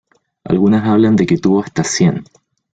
Algunas hablan de que tuvo hasta cien.